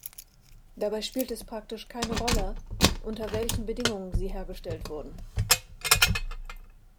Dabei spielt es praktisch keine Rolle, unter welchen Bedingungen sie hergestellt wurden.